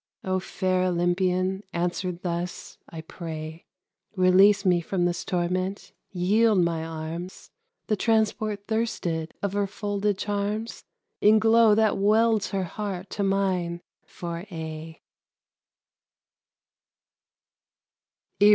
O fair Olympian, answer thus, I pray! Release me from this torment, yield my arms The transport thirsted of her folded charms, In glow that welds her heart to mine for aye.